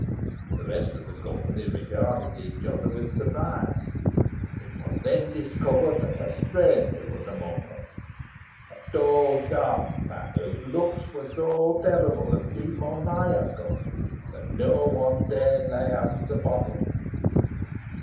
The rest of the company regarded each other with surprise, and it was then discovered that a stranger was amongst them; a tall dark man, whose looks were so terrible and demoniacal that no one dared lay hands upon him.